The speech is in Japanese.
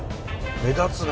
目立つね。